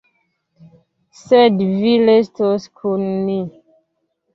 Sed vi restos kun ni.